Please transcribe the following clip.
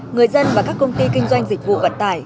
người dân và các công ty kinh doanh dịch vụ vận tải